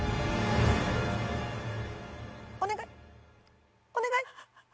お願いお願い！